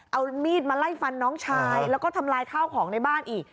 เอามีดมาไล่ฟันน้องชายแล้วก็ทำลายข้าวของในบ้านอีก